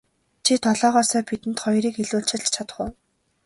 Чи долоогоосоо бидэнд хоёрыг илүүчилж чадах уу.